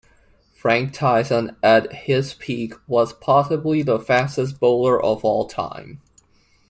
Frank Tyson, at his peak, was possibly the fastest bowler of all time.